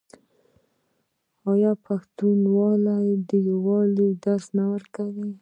آیا پښتونولي د یووالي درس نه ورکوي؟